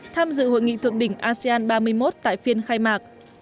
tham dự hội nghị thượng đỉnh asean ba mươi một tại phiên khai mạc